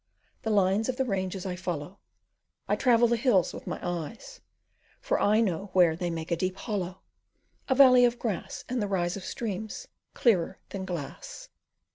The lines of the ranges I follow, I travel the hills with my eyes, For I know where they make a deep hollow, A valley of grass and the rise Of streams clearer than glass.